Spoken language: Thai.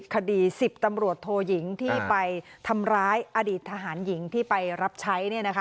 คดี๑๐ตำรวจโทยิงที่ไปทำร้ายอดีตทหารหญิงที่ไปรับใช้